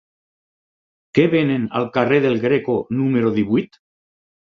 Què venen al carrer del Greco número divuit?